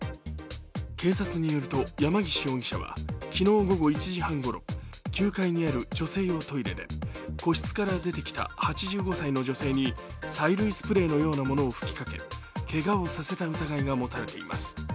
警察によると山ぎし容疑者は昨日午後１時半ごろ、９階にある女性用トイレで個室から出てきた８５歳の女性に催涙スプレーのようなものを吹きかけ、けがをさせた疑いが持たれています。